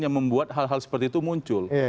yang membuat hal hal seperti itu muncul